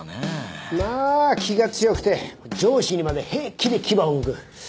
まあ気が強くて上司にまで平気で牙をむく。